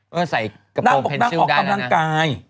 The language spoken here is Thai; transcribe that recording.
นางออกกำลังกาย